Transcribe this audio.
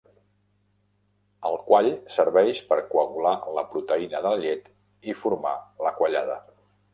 El quall serveix per coagular la proteïna de la llet i formar la quallada.